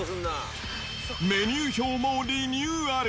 メニュー表もリニューアル。